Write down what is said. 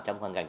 trong hoàn cảnh